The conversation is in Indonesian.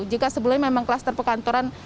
jika sebelumnya memang klaster pekantoran